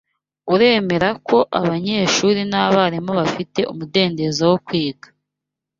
Uremera ko abanyeshuri nabarimu bafite umudendezo wo kwiga